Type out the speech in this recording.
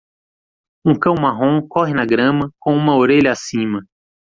Um cão marrom corre na grama com uma orelha acima.